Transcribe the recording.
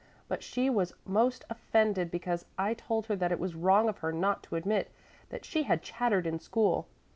But she was most offended because I told her that it was wrong of her; not to admit that she had chattered in school.